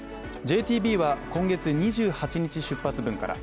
ＪＴＢは今月２８日に出発分から。